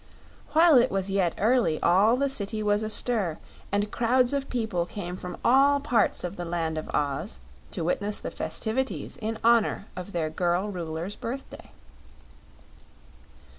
While it was yet early all the city was astir and crowds of people came from all parts of the Land of Oz to witness the festivities in honor of their girl Ruler's birthday.